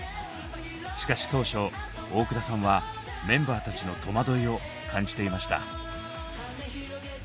しかし当初大倉さんはメンバーたちの戸惑いを感じていました。